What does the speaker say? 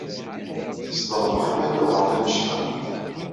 Sḍelmeɣ iman-inu ɣef wanect-a.